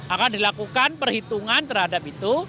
akan dilakukan perhitungan terhadap itu